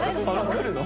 来るの？